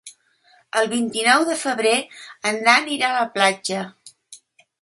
El vint-i-nou de febrer en Dan irà a la platja.